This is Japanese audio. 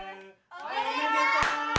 おめでとう！